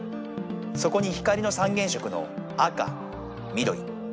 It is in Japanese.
そこに光の三原色の赤緑青。